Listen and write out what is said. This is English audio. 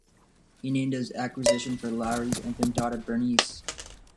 He named his acquisition for Lowery's infant daughter, Bernice.